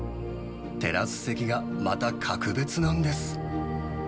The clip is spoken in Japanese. テラス席がまた格別なんです。